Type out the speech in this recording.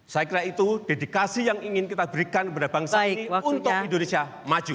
saya kira itu dedikasi yang ingin kita berikan kepada bangsa ini untuk indonesia maju